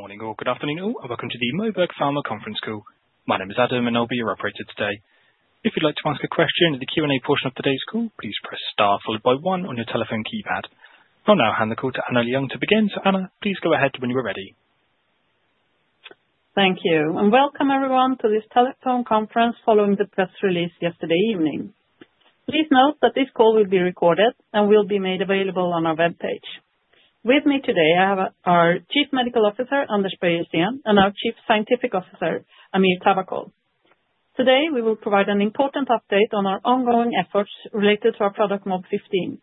Good morning or good afternoon all, and welcome to the Moberg Pharma Conference Call. My name is Adam, and I'll be your operator today. If you'd like to ask a question in the Q&A portion of today's call, please press star followed by one on your telephone keypad. I'll now hand the call to Anna Ljung to begin, so Anna, please go ahead when you are ready. Thank you, and welcome everyone to this telephone conference following the press release yesterday evening. Please note that this call will be recorded and will be made available on our webpage. With me today, I have our Chief Medical Officer, Anders Bröijersén, and our Chief Scientific Officer, Amir Tavakkol. Today, we will provide an important update on our ongoing efforts related to our product MOB-015.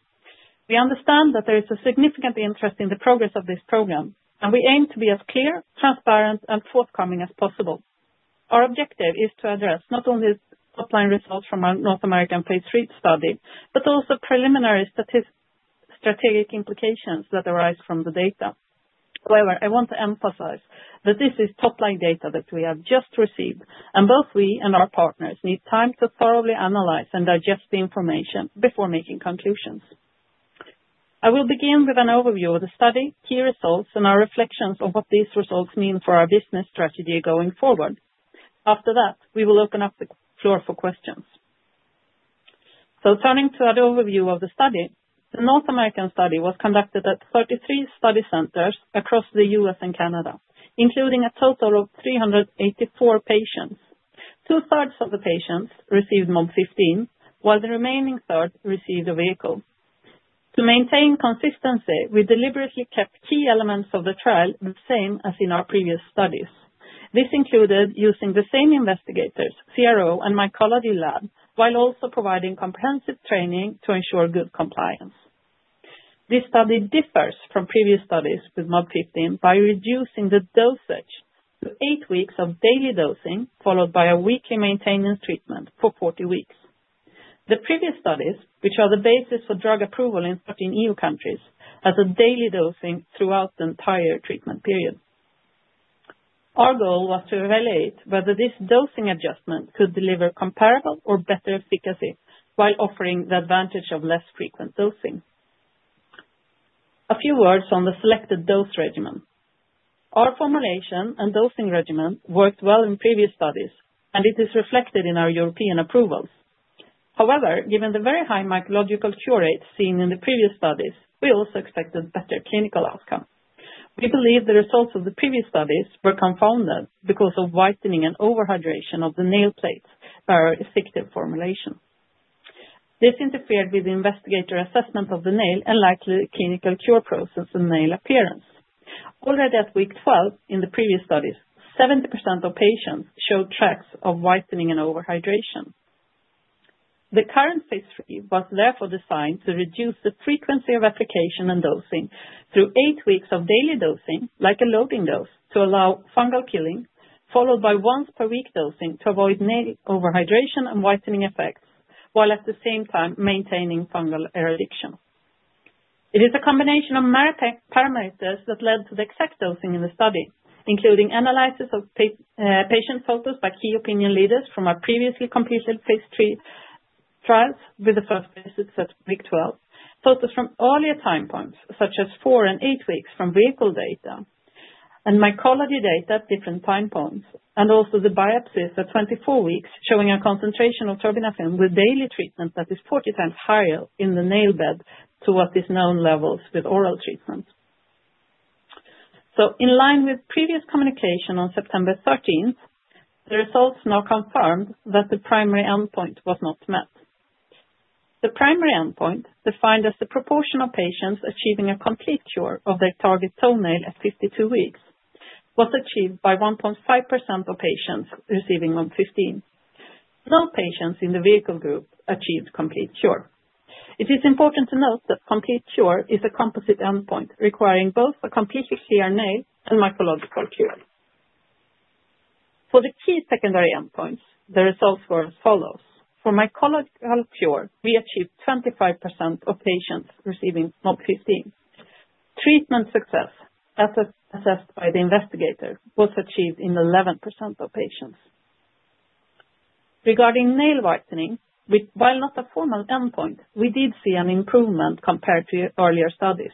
We understand that there is a significant interest in the progress of this program, and we aim to be as clear, transparent, and forthcoming as possible. Our objective is to address not only top-line results from our North American phase III study, but also preliminary strategic implications that arise from the data. However, I want to emphasize that this is top-line data that we have just received, and both we and our partners need time to thoroughly analyze and digest the information before making conclusions. I will begin with an overview of the study, key results, and our reflections on what these results mean for our business strategy going forward. After that, we will open up the floor for questions. So turning to that overview of the study, the North American study was conducted at 33 study centers across the U.S. and Canada, including a total of 384 patients. Two-thirds of the patients received MOB-015, while the remaining third received a vehicle. To maintain consistency, we deliberately kept key elements of the trial the same as in our previous studies. This included using the same investigators, CRO and mycology lab, while also providing comprehensive training to ensure good compliance. This study differs from previous studies with MOB-015 by reducing the dosage to eight weeks of daily dosing, followed by a weekly maintenance treatment for 40 weeks. The previous studies, which are the basis for drug approval in 13 EU countries, had a daily dosing throughout the entire treatment period. Our goal was to evaluate whether this dosing adjustment could deliver comparable or better efficacy while offering the advantage of less frequent dosing. A few words on the selected dose regimen. Our formulation and dosing regimen worked well in previous studies, and it is reflected in our European approvals. However, given the very high mycological cure rate seen in the previous studies, we also expected better clinical outcomes. We believe the results of the previous studies were confounded because of whitening and overhydration of the nail plates, our effective formulation. This interfered with the investigator assessment of the nail and likely clinical cure process and nail appearance. Already at week 12 in the previous studies, 70% of patients showed tracks of whitening and overhydration. The current phase III was therefore designed to reduce the frequency of application and dosing through eight weeks of daily dosing, like a loading dose, to allow fungal killing, followed by once-per-week dosing to avoid nail overhydration and whitening effects, while at the same time maintaining fungal eradication. It is a combination of parameters that led to the exact dosing in the study, including analysis of patient photos by key opinion leaders from our previously completed phase III trials with the first visits at week 12, photos from earlier time points such as four and eight weeks from vehicle data, and mycology data at different time points, and also the biopsies at 24 weeks showing a concentration of terbinafine with daily treatment that is 40x higher in the nail bed to what is known levels with oral treatment. So in line with previous communication on September 13, the results now confirmed that the primary endpoint was not met. The primary endpoint, defined as the proportion of patients achieving a complete cure of their target toenail at 52 weeks, was achieved by 1.5% of patients receiving MOB-015. No patients in the vehicle group achieved complete cure. It is important to note that complete cure is a composite endpoint requiring both a completely clear nail and mycological cure. For the key secondary endpoints, the results were as follows. For mycological cure, we achieved 25% of patients receiving MOB-015. Treatment success, as assessed by the investigator, was achieved in 11% of patients. Regarding nail whitening, while not a formal endpoint, we did see an improvement compared to earlier studies.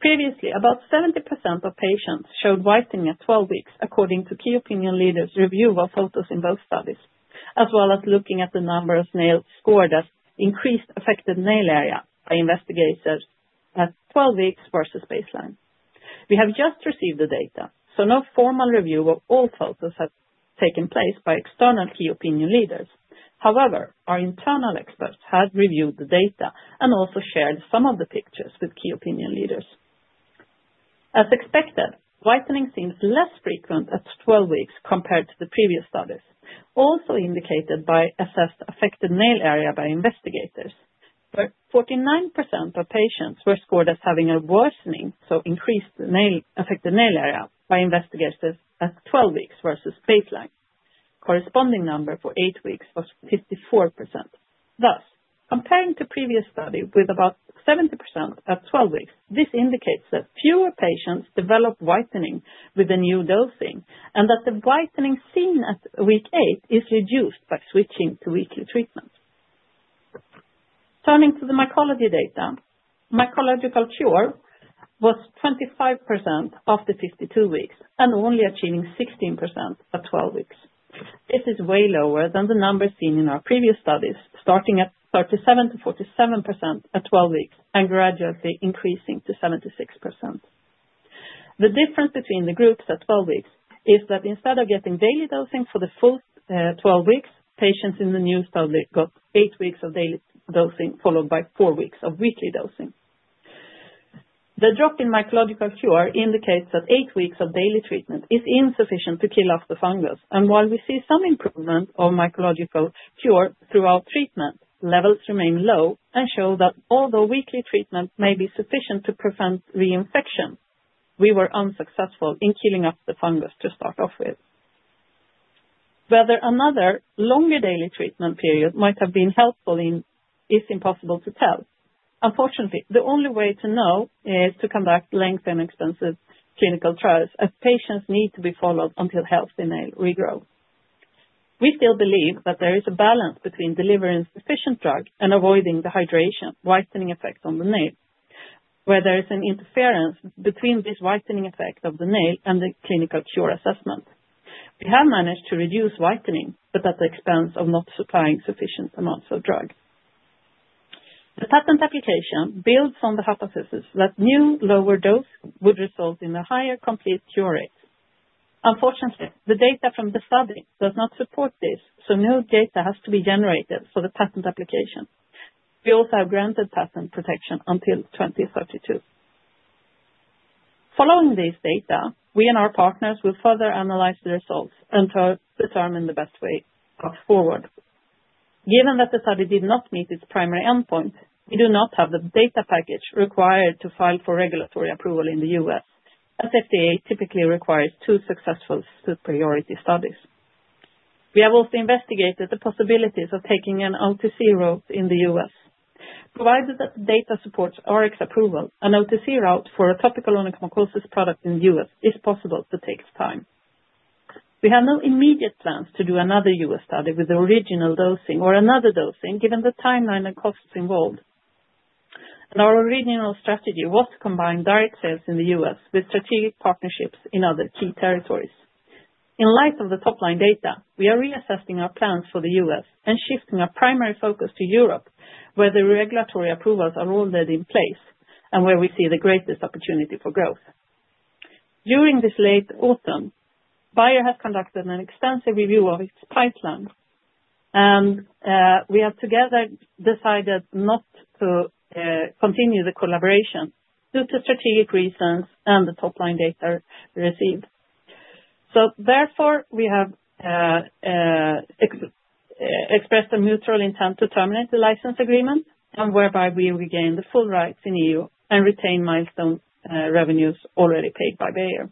Previously, about 70% of patients showed whitening at 12 weeks, according to key opinion leaders' review of photos in both studies, as well as looking at the number of nails scored as increased affected nail area by investigators at 12 weeks versus baseline. We have just received the data, so no formal review of all photos has taken place by external key opinion leaders. However, our internal experts had reviewed the data and also shared some of the pictures with key opinion leaders. As expected, whitening seems less frequent at 12 weeks compared to the previous studies, also indicated by assessed affected nail area by investigators, where 49% of patients were scored as having a worsening, so increased affected nail area by investigators at 12 weeks versus baseline. Corresponding number for eight weeks was 54%. Thus, comparing to previous study with about 70% at 12 weeks, this indicates that fewer patients develop whitening with the new dosing and that the whitening seen at week eight is reduced by switching to weekly treatment. Turning to the mycological data, mycological cure was 25% after 52 weeks and only achieving 16% at 12 weeks. This is way lower than the numbers seen in our previous studies, starting at 37% to 47% at 12 weeks and gradually increasing to 76%. The difference between the groups at 12 weeks is that instead of getting daily dosing for the full 12 weeks, patients in the new study got eight weeks of daily dosing followed by four weeks of weekly dosing. The drop in mycological cure indicates that eight weeks of daily treatment is insufficient to kill off the fungus, and while we see some improvement of mycological cure throughout treatment, levels remain low and show that although weekly treatment may be sufficient to prevent reinfection, we were unsuccessful in killing off the fungus to start off with. Whether another longer daily treatment period might have been helpful is impossible to tell. Unfortunately, the only way to know is to conduct lengthy and expensive clinical trials as patients need to be followed until healthy nail regrows. We still believe that there is a balance between delivering sufficient drug and avoiding the hydration whitening effect on the nail, where there is an interference between this whitening effect of the nail and the clinical cure assessment. We have managed to reduce whitening, but at the expense of not supplying sufficient amounts of drug. The patent application builds on the hypothesis that new lower dose would result in a higher complete cure rate. Unfortunately, the data from the study does not support this, so new data has to be generated for the patent application. We also have granted patent protection until 2032. Following these data, we and our partners will further analyze the results and determine the best way forward. Given that the study did not meet its primary endpoint, we do not have the data package required to file for regulatory approval in the U.S., as FDA typically requires two successful superiority studies. We have also investigated the possibilities of taking an OTC route in the U.S. Provided that the data supports Rx approval, an OTC route for a topical onychomycosis product in the U.S. is possible, but takes time. We have no immediate plans to do another U.S. study with the original dosing or another dosing given the timeline and costs involved, and our original strategy was to combine direct sales in the U.S. with strategic partnerships in other key territories. In light of the top-line data, we are reassessing our plans for the U.S. and shifting our primary focus to Europe, where the regulatory approvals are already in place and where we see the greatest opportunity for growth. During this late autumn, Bayer has conducted an extensive review of its pipeline, and we have together decided not to continue the collaboration due to strategic reasons and the top-line data received, so therefore, we have expressed a mutual intent to terminate the license agreement, whereby we regain the full rights in EU and retain milestone revenues already paid by Bayer.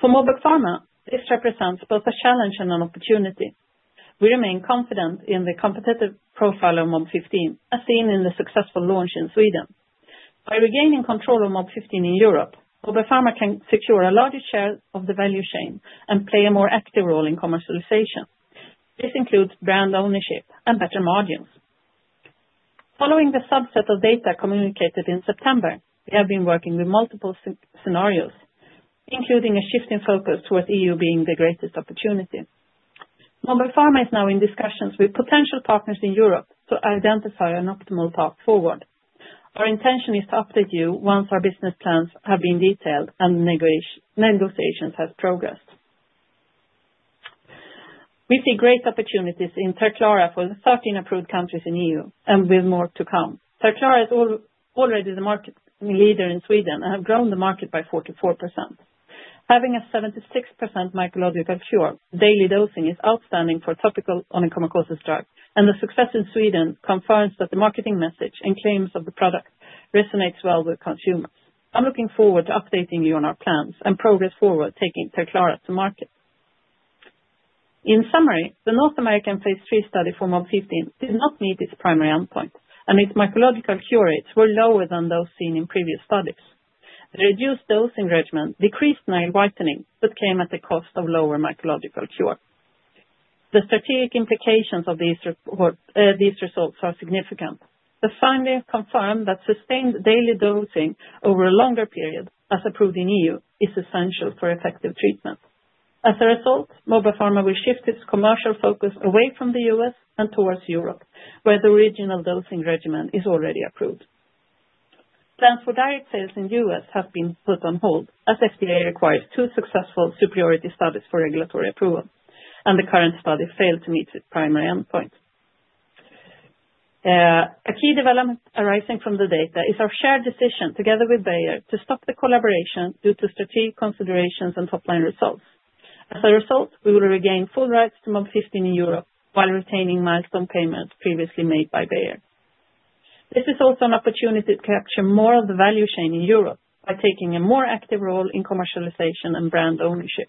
For Moberg Pharma, this represents both a challenge and an opportunity. We remain confident in the competitive profile of MOB-015, as seen in the successful launch in Sweden. By regaining control of MOB-015 in Europe, Moberg Pharma can secure a larger share of the value chain and play a more active role in commercialization. This includes brand ownership and better margins. Following the subset of data communicated in September, we have been working with multiple scenarios, including a shift in focus towards EU being the greatest opportunity. Moberg Pharma is now in discussions with potential partners in Europe to identify an optimal path forward. Our intention is to update you once our business plans have been detailed and negotiations have progressed. We see great opportunities in Terclara for the 13 approved countries in EU, and with more to come. Terclara is already the market leader in Sweden and has grown the market by 44%. Having a 76% mycological cure, daily dosing is outstanding for topical onychomycosis drugs, and the success in Sweden confirms that the marketing message and claims of the product resonate well with consumers. I'm looking forward to updating you on our plans and progress forward taking Terclara to market. In summary, the North American phase III study for MOB-015 did not meet its primary endpoint, and its mycological cure rates were lower than those seen in previous studies. The reduced dosing regimen decreased nail whitening, but came at the cost of lower mycological cure. The strategic implications of these results are significant. The findings confirm that sustained daily dosing over a longer period, as approved in EU, is essential for effective treatment. As a result, Moberg Pharma will shift its commercial focus away from the U.S. and towards Europe, where the original dosing regimen is already approved. Plans for direct sales in the U.S. have been put on hold as FDA requires two successful superiority studies for regulatory approval, and the current study failed to meet its primary endpoint. A key development arising from the data is our shared decision, together with Bayer, to stop the collaboration due to strategic considerations and top-line results. As a result, we will regain full rights to MOB-015 in Europe while retaining milestone payments previously made by Bayer. This is also an opportunity to capture more of the value chain in Europe by taking a more active role in commercialization and brand ownership.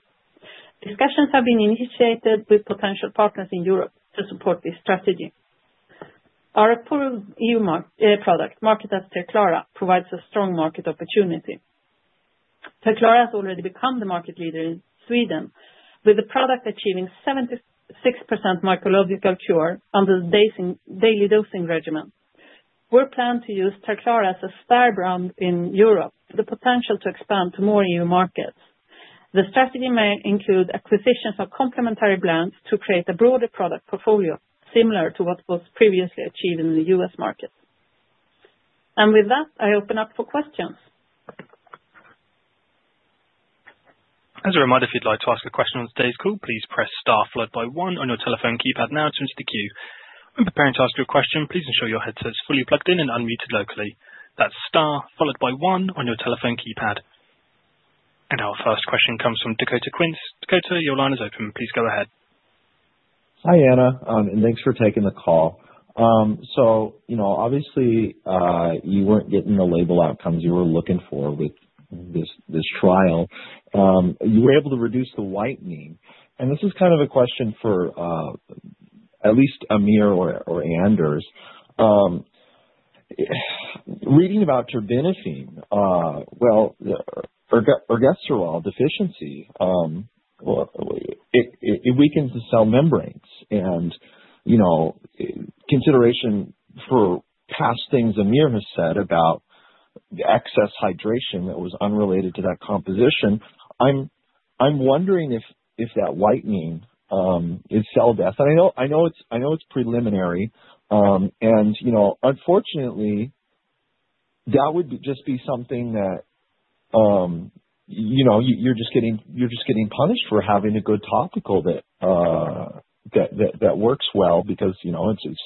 Discussions have been initiated with potential partners in Europe to support this strategy. Our approved E.U. product, marketed as Terclara, provides a strong market opportunity. Terclara has already become the market leader in Sweden, with the product achieving 76% mycological cure under the daily dosing regimen. We plan to use Terclara as a star brand in Europe with the potential to expand to more E.U. markets. The strategy may include acquisitions of complementary brands to create a broader product portfolio, similar to what was previously achieved in the U.S. market. And with that, I open up for questions. As a reminder, if you'd like to ask a question on today's call, please press star followed by one on your telephone keypad now to enter the queue. When preparing to ask your question, please ensure your headset is fully plugged in and unmuted locally. That's star followed by one on your telephone keypad. And our first question comes from Dakota Quince. Dakota, your line is open. Please go ahead. Hi, Anna, and thanks for taking the call. So obviously, you weren't getting the label outcomes you were looking for with this trial. You were able to reduce the whitening, and this is kind of a question for at least Amir or Anders. Reading about terbinafine, well, ergosterol deficiency, it weakens the cell membranes. And consideration for past things Amir has said about excess hydration that was unrelated to that composition, I'm wondering if that whitening is cell death. I know it's preliminary, and unfortunately, that would just be something that you're just getting punished for having a good topical that works well because it's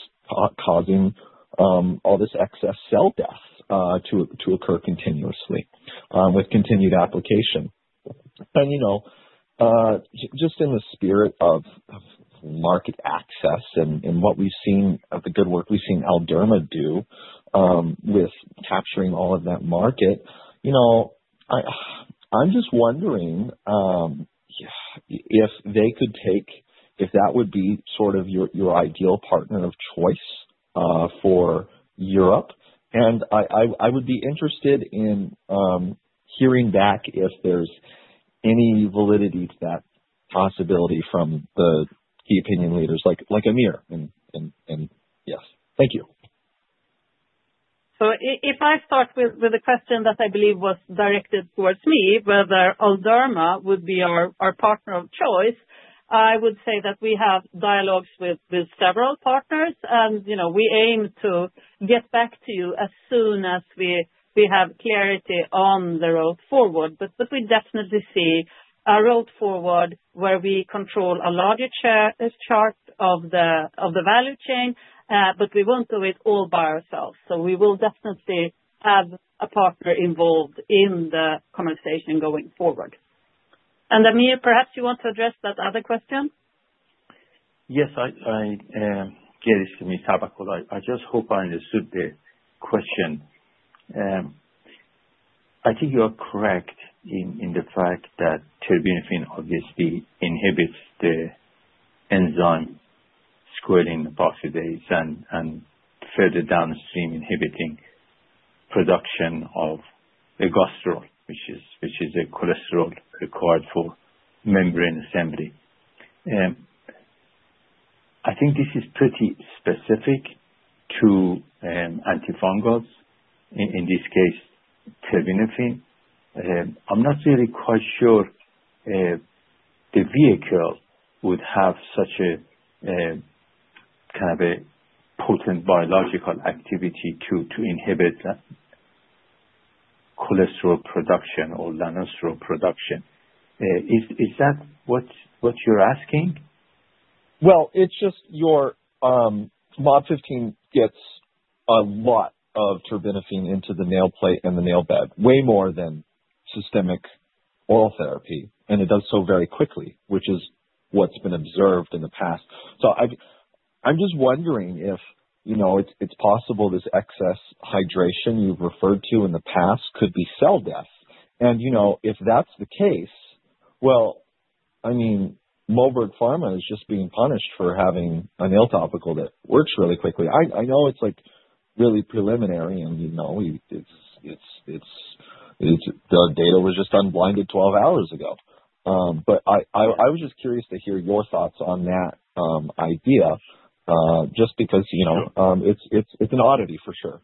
causing all this excess cell death to occur continuously with continued application. And just in the spirit of market access and what we've seen of the good work we've seen Allderma do with capturing all of that market, I'm just wondering if they could take if that would be sort of your ideal partner of choice for Europe. And I would be interested in hearing back if there's any validity to that possibility from the key opinion leaders like Amir. And yes, thank you. So if I start with a question that I believe was directed towards me, whether Allderma would be our partner of choice, I would say that we have dialogues with several partners, and we aim to get back to you as soon as we have clarity on the road forward. But we definitely see a road forward where we control a larger share of the value chain, but we won't do it all by ourselves. We will definitely have a partner involved in the conversation going forward. And Amir, perhaps you want to address that other question? Yes, Amir Tavakkol here. I just hope I understood the question. I think you are correct in the fact that terbinafine obviously inhibits the enzyme squalene epoxidase and further downstream inhibiting production of ergosterol, which is a cholesterol required for membrane assembly. I think this is pretty specific to antifungals, in this case, terbinafine. I'm not really quite sure the vehicle would have such a kind of potent biological activity to inhibit cholesterol production or lanosterol production. Is that what you're asking? Well, it's just your MOB-015 gets a lot of terbinafine into the nail plate and the nail bed, way more than systemic oral therapy, and it does so very quickly, which is what's been observed in the past. So I'm just wondering if it's possible this excess hydration you've referred to in the past could be cell death. And if that's the case, well, I mean, Moberg Pharma is just being punished for having a nail topical that works really quickly. I know it's really preliminary, and the data was just unblinded 12 hours ago. But I was just curious to hear your thoughts on that idea, just because it's an oddity for sure.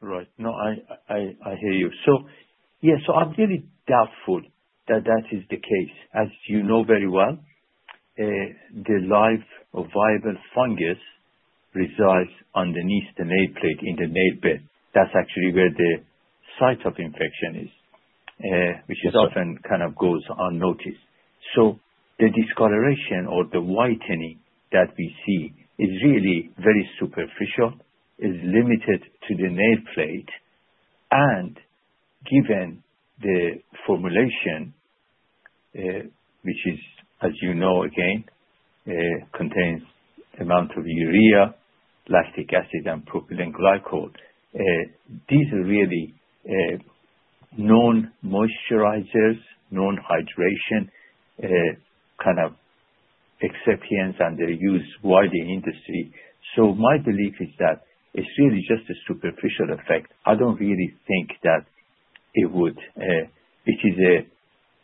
Right. No, I hear you. So yeah, so I'm really doubtful that that is the case. As you know very well, the live or viable fungus resides underneath the nail plate, in the nail bed. That's actually where the site of infection is, which often kind of goes unnoticed. So the discoloration or the whitening that we see is really very superficial, is limited to the nail plate. Given the formulation, which is, as you know, again, contains amount of urea, lactic acid, and propylene glycol, these are really known moisturizers, known hydration kind of excipients, and they're used widely in industry. So my belief is that it's really just a superficial effect. I don't really think that it is an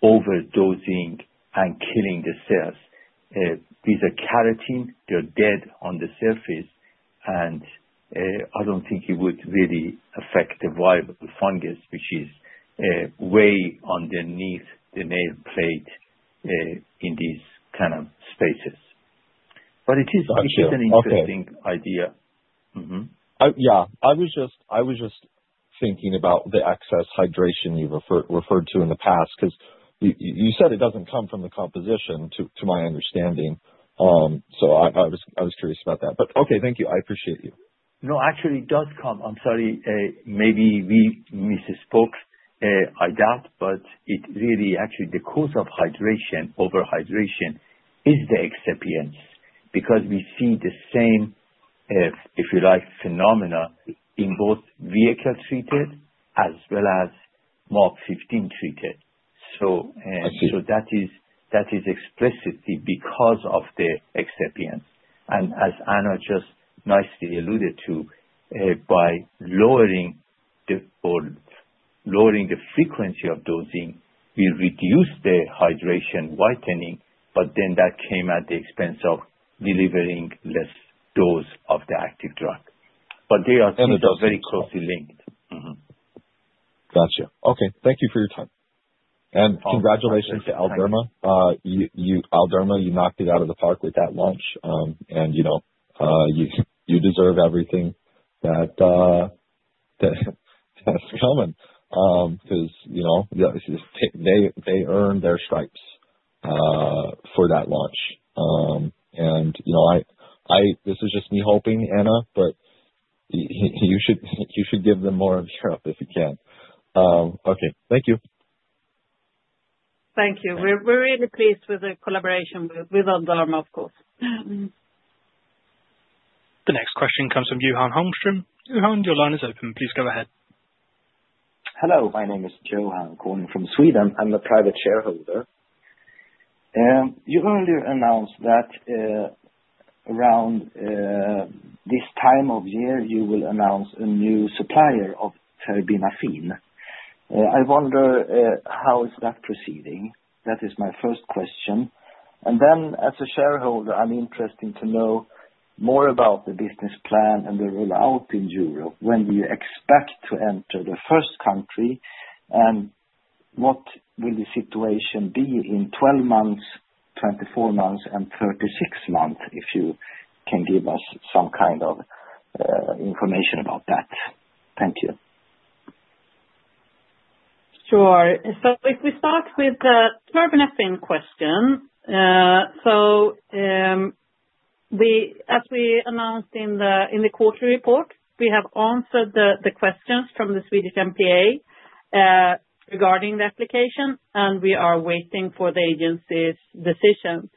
overdosing and killing the cells. These are keratin. They're dead on the surface, and I don't think it would really affect the viable fungus, which is way underneath the nail plate in these kind of spaces. But it is an interesting idea. Yeah. I was just thinking about the excess hydration you referred to in the past because you said it doesn't come from the composition, to my understanding. So I was curious about that. But okay, thank you. I appreciate you. No, actually, it does come. I'm sorry. Maybe we misspoke. I doubt, but it really actually the cause of hydration, overhydration, is the excipients because we see the same, if you like, phenomena in both vehicle treated as well as MOB-015 treated. So that is explicitly because of the excipients. As Anna just nicely alluded to, by lowering the frequency of dosing, we reduce the hydration whitening, but then that came at the expense of delivering less dose of the active drug. But they are still very closely linked. Gotcha. Okay. Thank you for your time. Congratulations to Allderma. Allderma, you knocked it out of the park with that launch, and you deserve everything that's coming because they earned their stripes for that launch. This is just me hoping, Anna, but you should give them more of Europe if you can. Okay. Thank you. Thank you. We're really pleased with the collaboration with Allderma, of course. The next question comes from Johan Holmström. Johan, your line is open. Please go ahead. Hello. My name is Johan Holmström from Sweden. I'm a private shareholder. You earlier announced that around this time of year, you will announce a new supplier of terbinafine. I wonder how is that proceeding? That is my first question. And then, as a shareholder, I'm interested to know more about the business plan and the rollout in Europe. When do you expect to enter the first country, and what will the situation be in 12 months, 24 months, and 36 months if you can give us some kind of information about that? Thank you. Sure. So if we start with the terbinafine question, so as we announced in the quarterly report, we have answered the questions from the Swedish MPA regarding the application, and we are waiting for the agency's decision.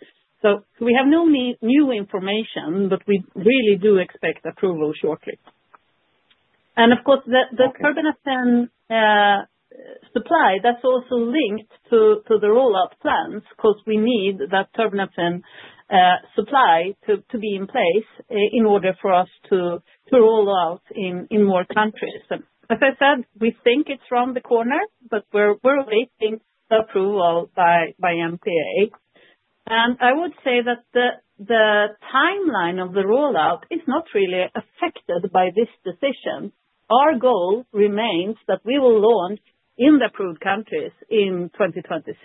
We have no new information, but we really do expect approval shortly. And of course, the terbinafine supply, that's also linked to the rollout plans because we need that terbinafine supply to be in place in order for us to roll out in more countries. As I said, we think it's around the corner, but we're awaiting the approval by MPA. And I would say that the timeline of the rollout is not really affected by this decision. Our goal remains that we will launch in the approved countries in 2026.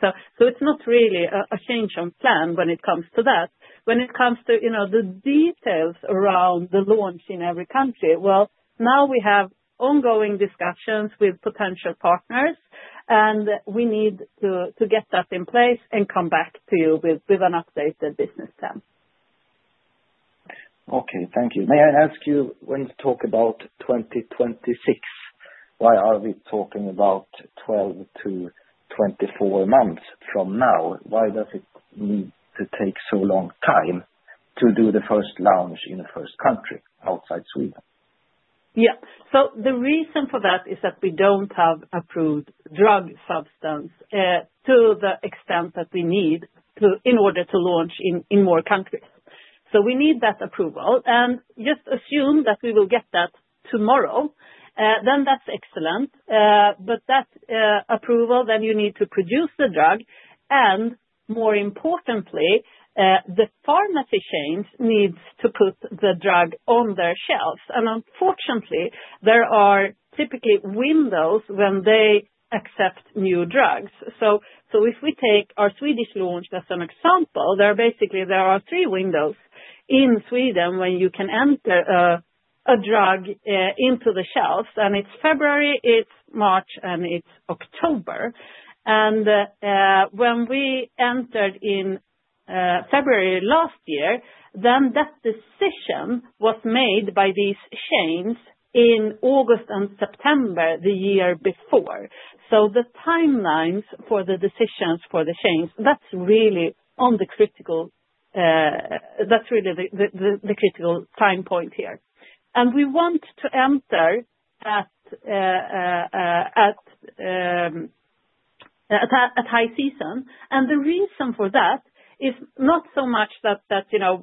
So it's not really a change of plan when it comes to that. When it comes to the details around the launch in every country, well, now we have ongoing discussions with potential partners, and we need to get that in place and come back to you with an updated business plan. Okay. Thank you. May I ask you, when you talk about 2026, why are we talking about 12-24 months from now? Why does it need to take so long time to do the first launch in the first country outside Sweden? Yeah. So the reason for that is that we don't have approved drug substance to the extent that we need in order to launch in more countries. So we need that approval. And just assume that we will get that tomorrow, then that's excellent. But that approval, then you need to produce the drug. And more importantly, the pharmacy chains need to put the drug on their shelves. And unfortunately, there are typically windows when they accept new drugs. So if we take our Swedish launch as an example, there are basically three windows in Sweden when you can enter a drug into the shelves. It's February, it's March, and it's October. When we entered in February last year, then that decision was made by these chains in August and September the year before. The timelines for the decisions for the chains, that's really the critical time point here. We want to enter at high season. The reason for that is not so much that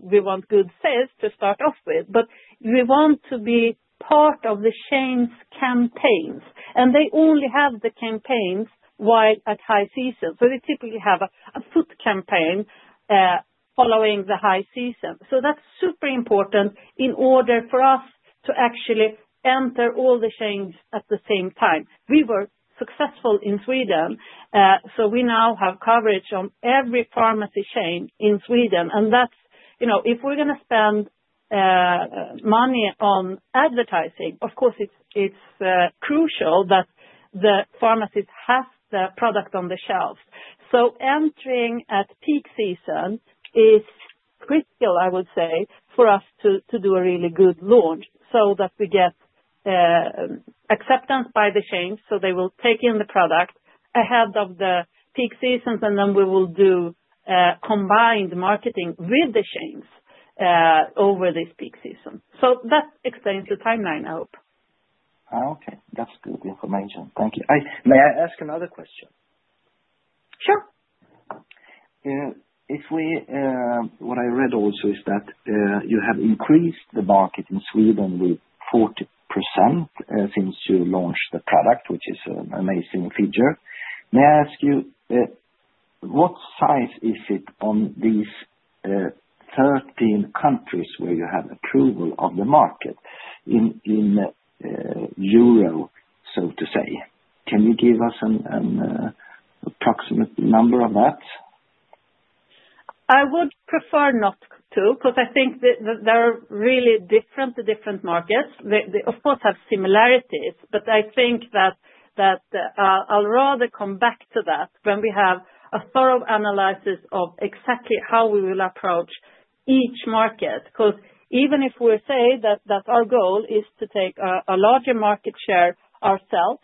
we want good sales to start off with, but we want to be part of the chains' campaigns. They only have the campaigns while at high season. They typically have a foot campaign following the high season. That's super important in order for us to actually enter all the chains at the same time. We were successful in Sweden, so we now have coverage on every pharmacy chain in Sweden. If we're going to spend money on advertising, of course, it's crucial that the pharmacies have the product on the shelves. So entering at peak season is critical, I would say, for us to do a really good launch so that we get acceptance by the chains, so they will take in the product ahead of the peak seasons, and then we will do combined marketing with the chains over this peak season. So that explains the timeline, I hope. Okay. That's good information. Thank you. May I ask another question? Sure. What I read also is that you have increased the market in Sweden with 40% since you launched the product, which is an amazing feature. May I ask you, what size is it on these 13 countries where you have approval of the market in euro, so to say? Can you give us an approximate number of that? I would prefer not to because I think they're really different, the different markets. They, of course, have similarities, but I think that I'll rather come back to that when we have a thorough analysis of exactly how we will approach each market. Because even if we say that our goal is to take a larger market share ourselves,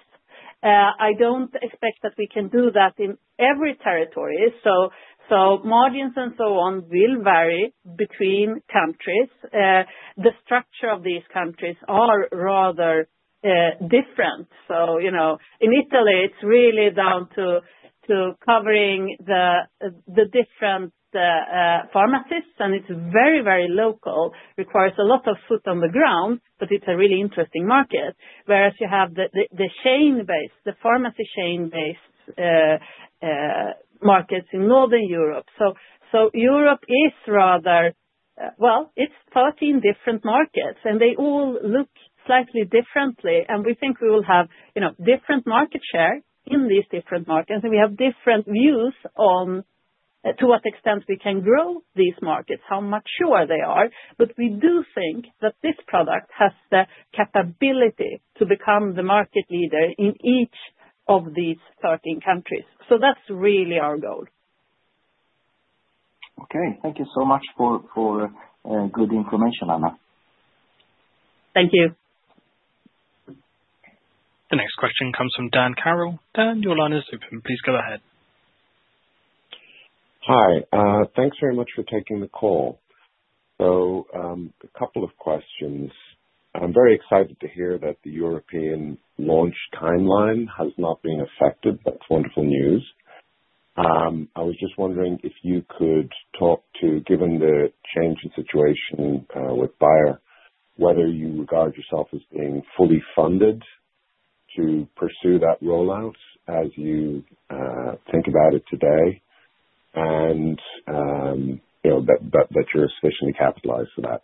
I don't expect that we can do that in every territory. So margins and so on will vary between countries. The structure of these countries are rather different. So in Italy, it's really down to covering the different pharmacies, and it's very, very local, requires a lot of foot on the ground, but it's a really interesting market. Whereas you have the chain-based, the pharmacy chain-based markets in Northern Europe. So Europe is rather well, it's 13 different markets, and they all look slightly differently. And we think we will have different market share in these different markets, and we have different views on to what extent we can grow these markets, how mature they are. But we do think that this product has the capability to become the market leader in each of these 13 countries. So that's really our goal. Okay. Thank you so much for good information, Anna. Thank you. The next question comes from Dan Carroll. Dan, your line is open. Please go ahead. Hi. Thanks very much for taking the call. So a couple of questions. I'm very excited to hear that the European launch timeline has not been affected. That's wonderful news. I was just wondering if you could talk to, given the change in situation with Bayer, whether you regard yourself as being fully funded to pursue that rollout as you think about it today and that you're sufficiently capitalized for that.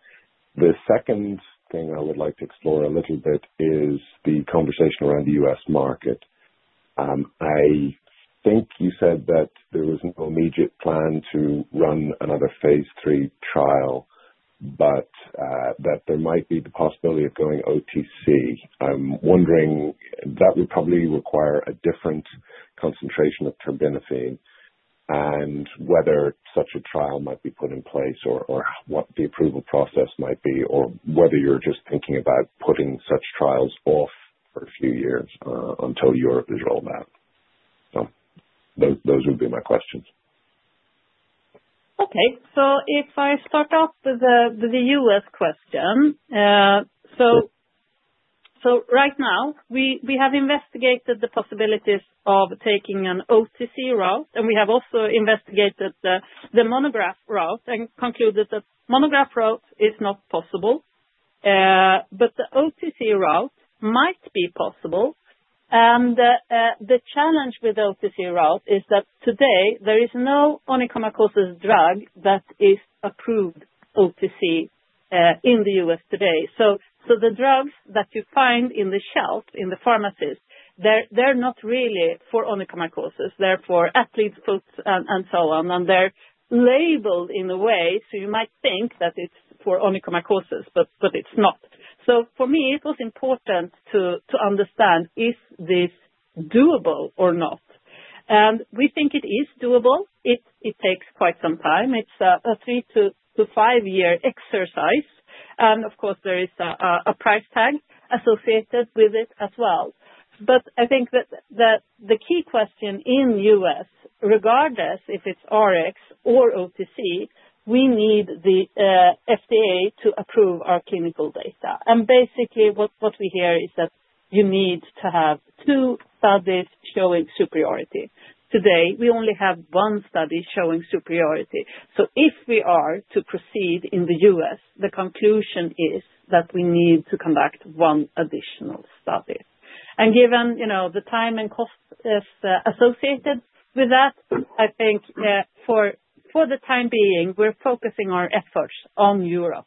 The second thing I would like to explore a little bit is the conversation around the U.S. market. I think you said that there was no immediate plan to run another phase three trial, but that there might be the possibility of going OTC. I'm wondering that would probably require a different concentration of terbinafine and whether such a trial might be put in place or what the approval process might be or whether you're just thinking about putting such trials off for a few years until Europe is rolled out. So those would be my questions. Okay. So if I start off with the U.S. question, so right now, we have investigated the possibilities of taking an OTC route, and we have also investigated the monograph route and concluded that monograph route is not possible. But the OTC route might be possible. And the challenge with OTC route is that today, there is no onychomycosis drug that is approved OTC in the U.S. today. So the drugs that you find on the shelf in the pharmacies, they're not really for onychomycosis. They're for athlete's foot and so on. And they're labeled in a way so you might think that it's for onychomycosis, but it's not. So for me, it was important to understand if this is doable or not. And we think it is doable. It takes quite some time. It's a three-to-five-year exercise. Of course, there is a price tag associated with it as well. I think that the key question in the U.S., regardless if it's Rx or OTC, we need the FDA to approve our clinical data. Basically, what we hear is that you need to have two studies showing superiority. Today, we only have one study showing superiority. If we are to proceed in the U.S., the conclusion is that we need to conduct one additional study. Given the time and cost associated with that, I think for the time being, we're focusing our efforts on Europe.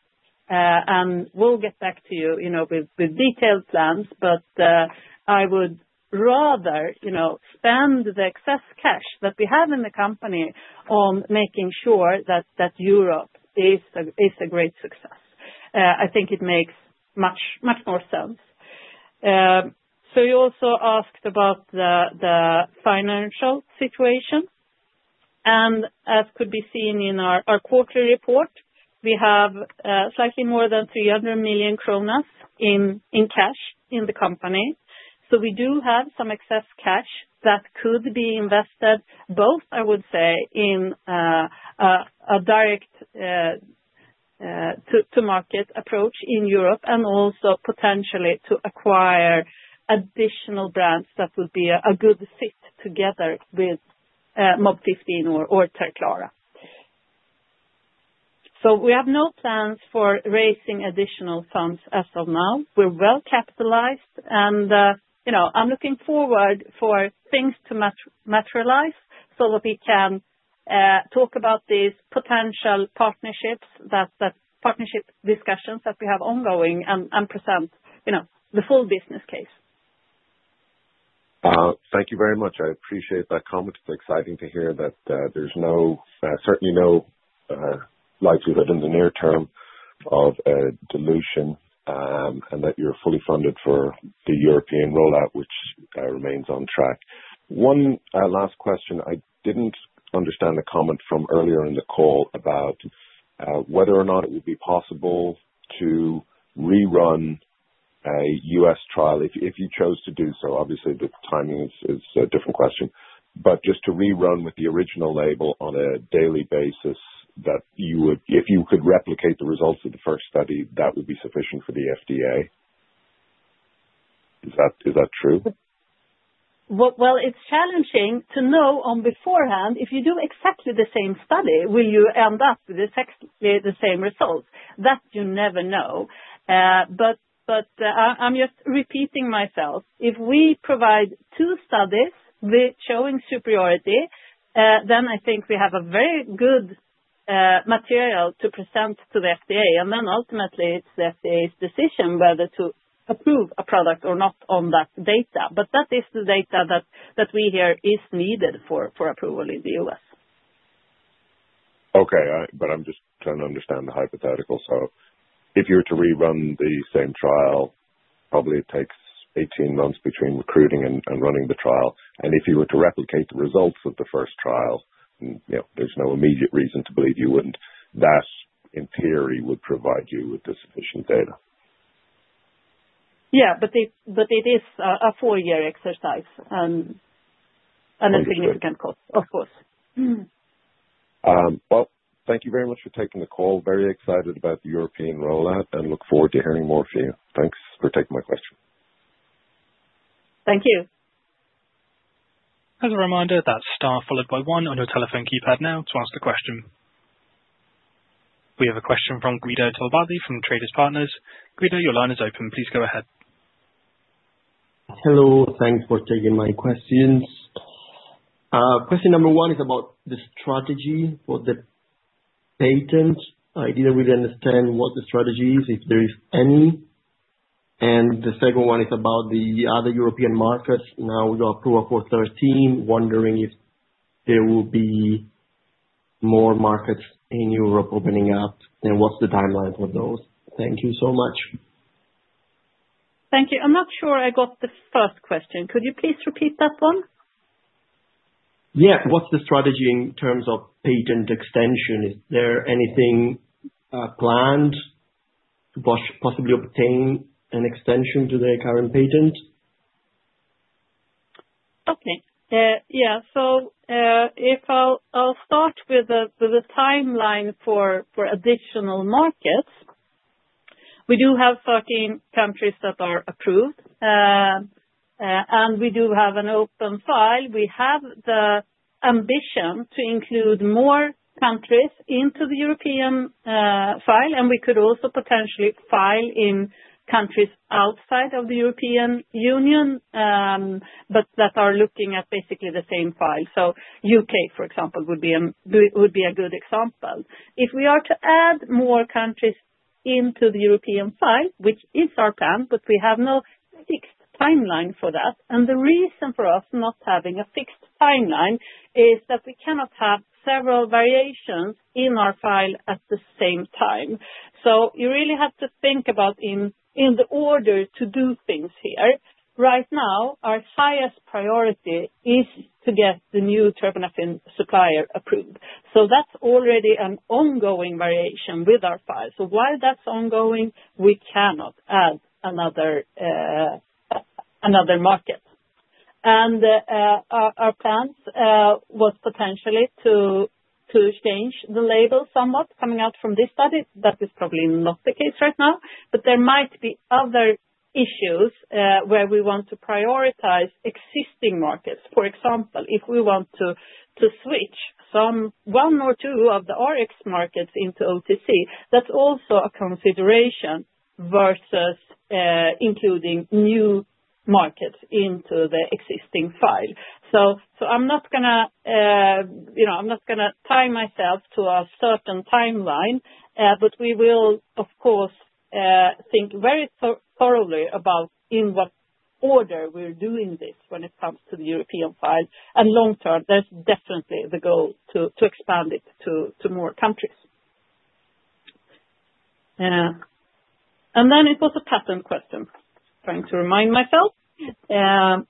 We'll get back to you with detailed plans, but I would rather spend the excess cash that we have in the company on making sure that Europe is a great success. I think it makes much more sense. You also asked about the financial situation. As could be seen in our quarterly report, we have slightly more than 300 million kronor in cash in the company. We do have some excess cash that could be invested both, I would say, in a direct-to-market approach in Europe and also potentially to acquire additional brands that would be a good fit together with MOB-015 or Terclara. We have no plans for raising additional funds as of now. We're well capitalized. I'm looking forward for things to materialize so that we can talk about these potential partnerships, that partnership discussions that we have ongoing, and present the full business case. Thank you very much. I appreciate that comment. It's exciting to hear that there's certainly no likelihood in the near term of a dilution and that you're fully funded for the European rollout, which remains on track. One last question. I didn't understand the comment from earlier in the call about whether or not it would be possible to rerun a U.S. trial if you chose to do so. Obviously, the timing is a different question. But just to rerun with the original label on a daily basis, if you could replicate the results of the first study, that would be sufficient for the FDA. Is that true? Well, it's challenging to know on beforehand if you do exactly the same study. Will you end up with exactly the same results? That you never know. But I'm just repeating myself. If we provide two studies showing superiority, then I think we have a very good material to present to the FDA. And then ultimately, it's the FDA's decision whether to approve a product or not on that data. But that is the data that we hear is needed for approval in the U.S. Okay. But I'm just trying to understand the hypothetical. So if you were to rerun the same trial, probably it takes 18 months between recruiting and running the trial. And if you were to replicate the results of the first trial, there's no immediate reason to believe you wouldn't. That, in theory, would provide you with the sufficient data. Yeah. But it is a four-year exercise and a significant cost, of course. Well, thank you very much for taking the call. Very excited about the European rollout and look forward to hearing more from you. Thanks for taking my question. Thank you. As a reminder, that star followed by one on your telephone keypad now to ask the question. We have a question from Guido Tombardi from Traders' Partners. Guido, your line is open. Please go ahead. Hello. Thanks for taking my questions. Question number one is about the strategy for the patent. I didn't really understand what the strategy is, if there is any. And the second one is about the other European markets. Now we got approval for 13, wondering if there will be more markets in Europe opening up, and what's the timeline for those? Thank you so much. Thank you. I'm not sure I got the first question. Could you please repeat that one? Yeah. What's the strategy in terms of patent extension? Is there anything planned to possibly obtain an extension to their current patent? Okay. Yeah. So I'll start with the timeline for additional markets. We do have 13 countries that are approved, and we do have an open file. We have the ambition to include more countries into the European file, and we could also potentially file in countries outside of the European Union, but that are looking at basically the same file. So U.K., for example, would be a good example. If we are to add more countries into the European file, which is our plan, but we have no fixed timeline for that. And the reason for us not having a fixed timeline is that we cannot have several variations in our file at the same time. So you really have to think about in the order to do things here. Right now, our highest priority is to get the new terbinafine supplier approved. So that's already an ongoing variation with our file. So while that's ongoing, we cannot add another market. And our plan was potentially to change the label somewhat coming out from this study. That is probably not the case right now. But there might be other issues where we want to prioritize existing markets. For example, if we want to switch one or two of the Rx markets into OTC, that's also a consideration versus including new markets into the existing file. So I'm not going to tie myself to a certain timeline, but we will, of course, think very thoroughly about in what order we're doing this when it comes to the European file. And long term, there's definitely the goal to expand it to more countries. And then it was a patent question. Trying to remind myself. And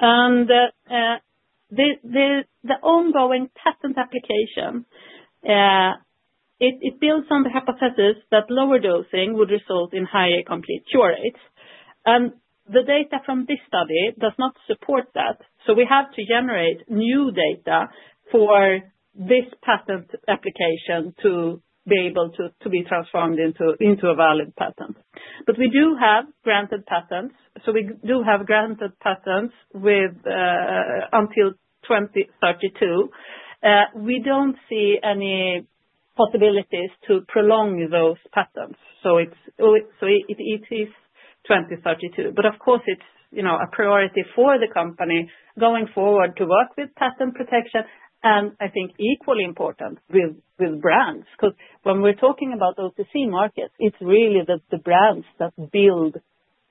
the ongoing patent application, it builds on the hypothesis that lower dosing would result in higher complete cure rates. And the data from this study does not support that. So we have to generate new data for this patent application to be able to be transformed into a valid patent. But we do have granted patents. So we do have granted patents until 2032. We don't see any possibilities to prolong those patents. So it is 2032. But of course, it's a priority for the company going forward to work with patent protection and, I think, equally important with brands. Because when we're talking about OTC markets, it's really the brands that build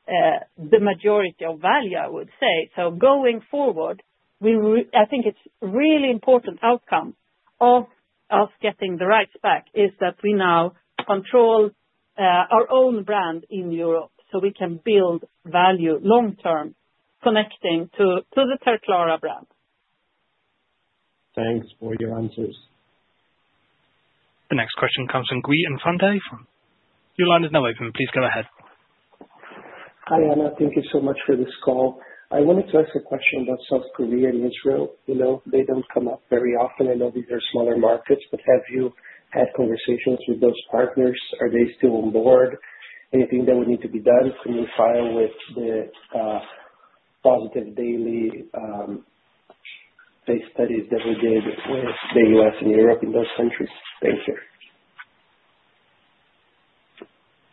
the majority of value, I would say. So going forward, I think it's a really important outcome of us getting the rights back is that we now control our own brand in Europe so we can build value long term, connecting to the Terclara brand. Thanks for your answers. The next question comes from. Your line is now open. Please go ahead. Hi, Anna. Thank you so much for this call. I wanted to ask a question about South Korea and Israel. They don't come up very often. I know these are smaller markets, but have you had conversations with those partners? Are they still on board? Anything that would need to be done from your file with the positive daily case studies that we did with the U.S. and Europe in those countries? Thank you.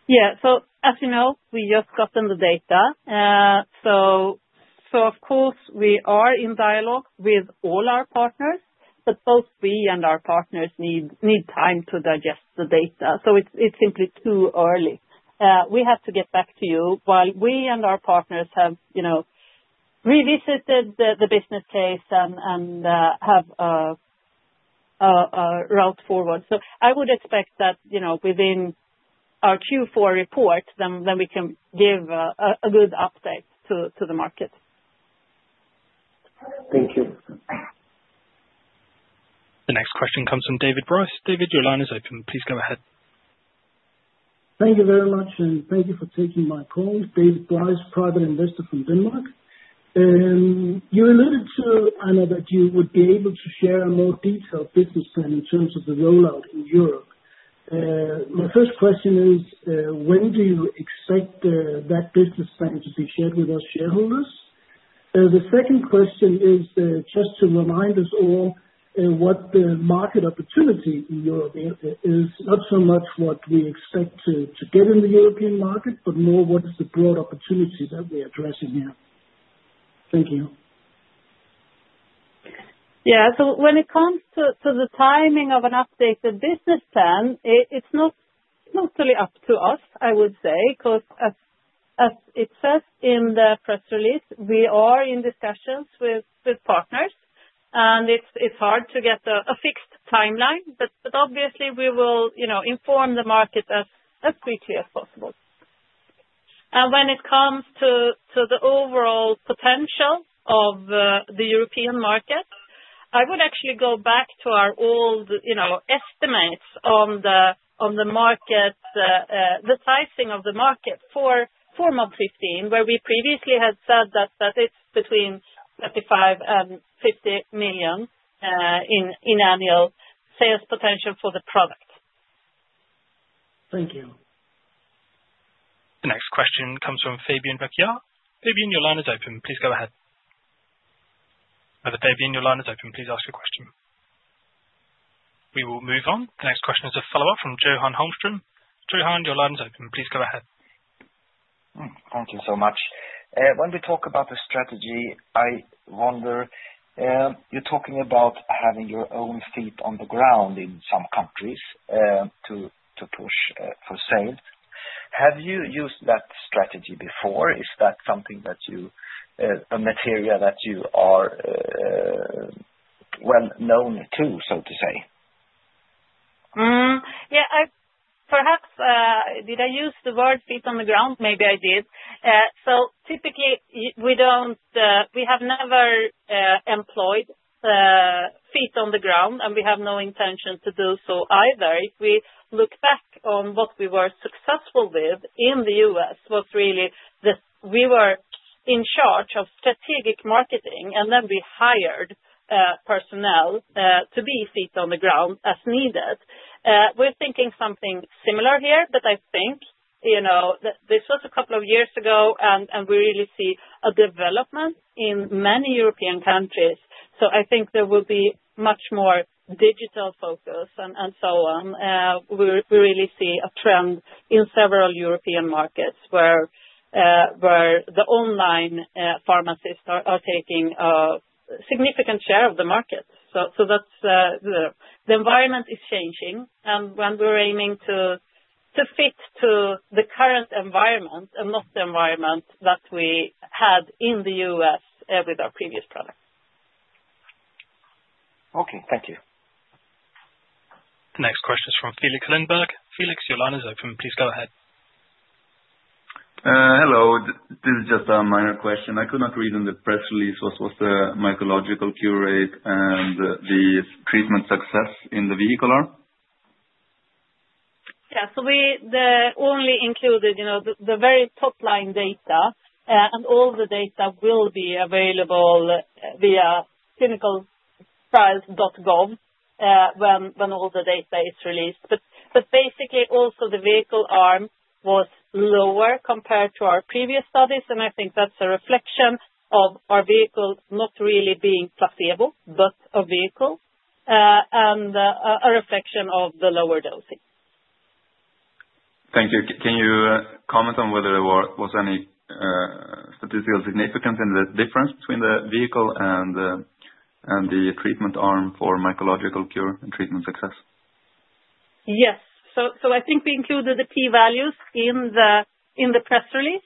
Yeah. So as you know, we just got in the data. So of course, we are in dialogue with all our partners, but both we and our partners need time to digest the data. So it's simply too early. We have to get back to you while we and our partners have revisited the business case and have a route forward. So I would expect that within our Q4 report, then we can give a good update to the market. Thank you. The next question comes from David Bryce. David, your line is open. Please go ahead. Thank you very much, and thank you for taking my call. David Bryce, private investor from Denmark. And you alluded to, Anna, that you would be able to share a more detailed business plan in terms of the rollout in Europe. My first question is, when do you expect that business plan to be shared with our shareholders? The second question is just to remind us all what the market opportunity in Europe is, not so much what we expect to get in the European market, but more what is the broad opportunity that we're addressing here. Thank you. Yeah. So when it comes to the timing of an updated business plan, it's not totally up to us, I would say, because as it says in the press release, we are in discussions with partners. And it's hard to get a fixed timeline, but obviously, we will inform the market as quickly as possible. And when it comes to the overall potential of the European market, I would actually go back to our old estimates on the market, the pricing of the market for MOB-015, where we previously had said that it's between 35 million and 50 million in annual sales potential for the product. Thank you. The next question comes from Fabian Bacchia. Fabian, your line is open. Please go ahead. Fabian, your line is open. Please ask your question. We will move on. The next question is a follow-up from Johan Holmström. Johan, your line is open. Please go ahead. Thank you so much. When we talk about the strategy, I wonder, you're talking about having your own feet on the ground in some countries to push for sales. Have you used that strategy before? Is that something that you're familiar with, so to say? Yeah. Perhaps, did I use the word feet on the ground? Maybe I did. So typically, we have never employed feet on the ground, and we have no intention to do so either. If we look back on what we were successful with in the U.S., was really that we were in charge of strategic marketing, and then we hired personnel to be feet on the ground as needed. We're thinking something similar here, but I think this was a couple of years ago, and we really see a development in many European countries. So I think there will be much more digital focus and so on. We really see a trend in several European markets where the online pharmacists are taking a significant share of the market. So the environment is changing, and we're aiming to fit to the current environment and not the environment that we had in the U.S. with our previous product. Okay. Thank you. The next question is from Felix Lindbergh. Felix, your line is open. Please go ahead. Hello. This is just a minor question. I could not read in the press release what was the mycological cure rate and the treatment success in the vehicle arm. Yeah. So we only included the very top-line data, and all the data will be available via ClinicalTrials.gov when all the data is released. But basically, also the vehicle arm was lower compared to our previous studies, and I think that's a reflection of our vehicle not really being flippable, but a vehicle, and a reflection of the lower dosing. Thank you. Can you comment on whether there was any statistical significance in the difference between the vehicle and the treatment arm for mycological cure and treatment success? Yes. So I think we included the P-values in the press release.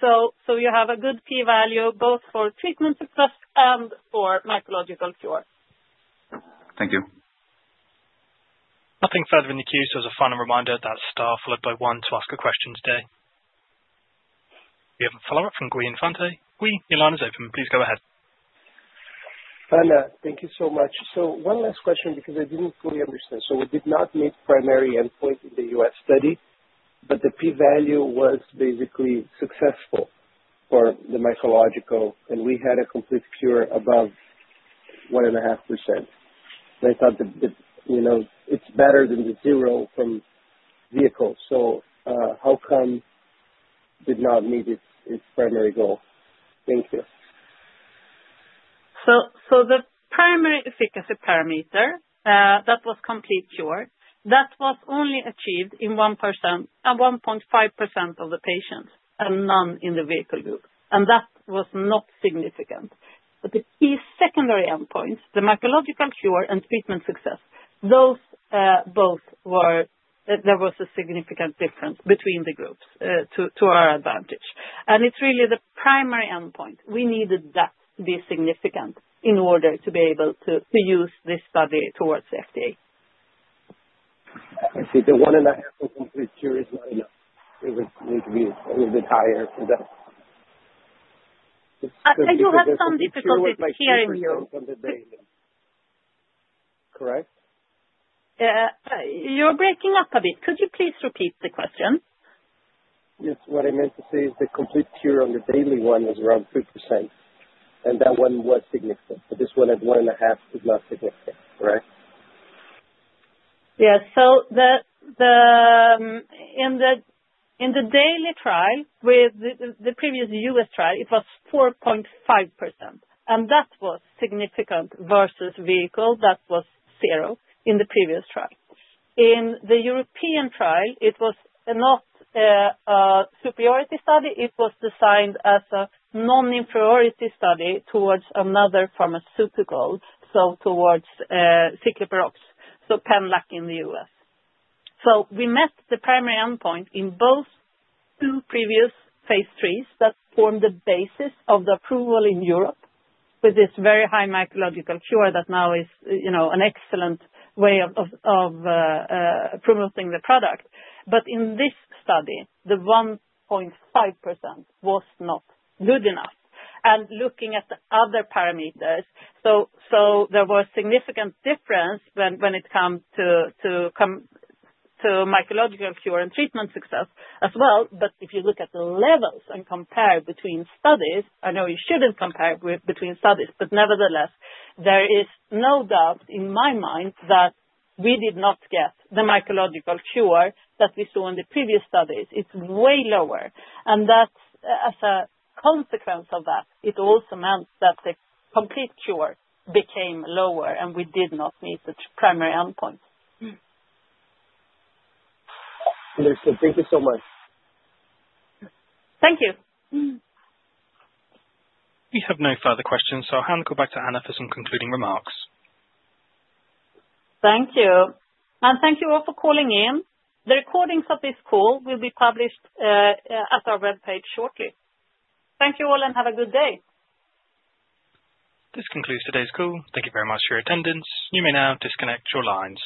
So you have a good P-value both for treatment success and for mycological cure. Thank you. Nothing further in the queue. So as a final reminder, that star followed by one to ask a question today. We have a follow-up from. Guido, your line is open. Please go ahead. Anna, thank you so much. So one last question because I didn't fully understand. So we did not meet primary endpoint in the U.S. study, but the P-value was basically successful for the mycological, and we had a complete cure above 1.5%. And I thought it's better than the zero from vehicles. So how come did not meet its primary goal? Thank you. So the primary efficacy parameter that was complete cure, that was only achieved in 1.5% of the patients and none in the vehicle group. And that was not significant. But the key secondary endpoints, the mycological cure and treatment success, those both were. There was a significant difference between the groups to our advantage. And it's really the primary endpoint. We needed that to be significant in order to be able to use this study toward FDA. I see. The 1.5% complete cure is not enough. It would need to be a little bit higher for that. I do have some difficulties hearing you. Correct? You're breaking up a bit. Could you please repeat the question? Yes. What I meant to say is the complete cure on the daily one is around 3%, and that one was significant, but this one at 1.5% is not significant, correct? Yes, so in the daily trial with the previous U.S. trial, it was 4.5%, and that was significant versus vehicle that was zero in the previous trial. In the European trial, it was not a superiority study. It was designed as a non-inferiority study towards another pharmaceutical, so towards ciclopirox, so Penlac in the U.S., so we met the primary endpoint in both two previous phase threes that formed the basis of the approval in Europe with this very high mycological cure that now is an excellent way of promoting the product. But in this study, the 1.5% was not good enough. And looking at the other parameters, so there was significant difference when it comes to mycological cure and treatment success as well. But if you look at the levels and compare between studies, I know you shouldn't compare between studies, but nevertheless, there is no doubt in my mind that we did not get the mycological cure that we saw in the previous studies. It's way lower. And as a consequence of that, it also meant that the complete cure became lower, and we did not meet the primary endpoint. Understood. Thank you so much. Thank you. We have no further questions. So I'll hand the call back to Anna for some concluding remarks. Thank you. And thank you all for calling in. The recordings of this call will be published at our web page shortly. Thank you all, and have a good day. This concludes today's call. Thank you very much for your attendance. You may now disconnect your lines.